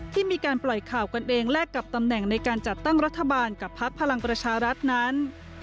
ที่มีการปล่อยข่าวกันเองแลกกับตำแหน่งในการจัดตั้งรัฐบาลกับพักพลังประชารัฐนั้น